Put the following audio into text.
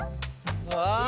ああ！